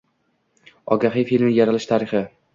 «Ogahiy» filmi yaralish tarixi